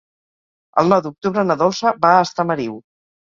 El nou d'octubre na Dolça va a Estamariu.